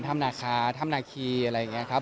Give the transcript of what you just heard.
ธรรมนาคาธรรมนาคีอะไรอย่างนี้ครับ